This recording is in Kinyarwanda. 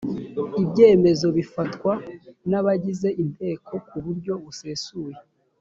ibyemezo bifatwa n’abagize inteko kuburyo busesuye